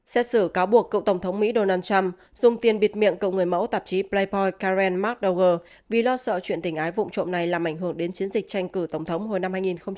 xét xử cáo buộc cậu tổng thống mỹ donald trump dùng tiền bịt miệng cậu người mẫu tạp chí playboy karen mcdougal vì lo sợ chuyện tình ái vụn trộm này làm ảnh hưởng đến chiến dịch tranh cử tổng thống hồi năm hai nghìn một mươi sáu